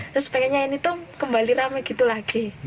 terus pengennya ini tuh kembali rame gitu lagi